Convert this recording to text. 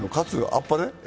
あっぱれ？